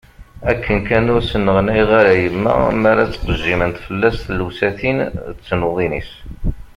Akken kan ur sneɣnayeɣ ara yemma mi ara ttqejjiment fell-as tlewsatin-is d tnuḍin-is